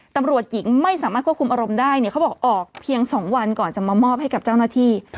ตำรวจหญิงไม่สามารถควบคุมอารมณ์ได้เนี่ยเขาบอกออกเพียง๒วันก่อนจะมามอบให้กับเจ้าหน้าที่